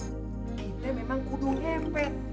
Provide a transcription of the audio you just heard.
kita memang kudu ngempet